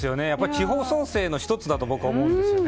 地方創生の１つだと僕は思うんですよね。